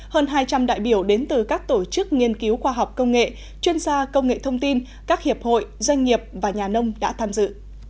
hơn hai trăm linh đại biểu đến từ các tổ chức nghiên cứu khoa học công nghệ chuyên gia công nghệ thông tin các hiệp hội doanh nghiệp và nhà nông đã tham dự